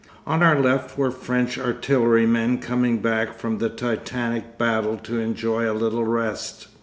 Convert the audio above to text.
On our left were French Artillerymen coming back from the Titanic battle to enjoy a little rest.